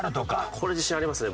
これ自信ありますね